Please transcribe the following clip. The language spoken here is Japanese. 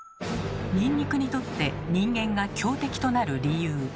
ニンニクにとって人間が強敵となる理由